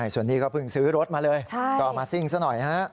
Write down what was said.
ต้องไปซื้ออะไรนะรองเท้านักเรียนกันไหม